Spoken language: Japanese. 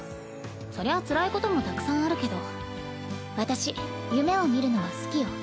そりゃあつらいこともたくさんあるけど私夢を見るのは好きよ。